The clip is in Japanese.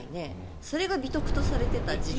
それが美徳とされていた時代。